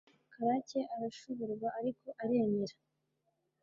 Karake arashoberwa ariko aremera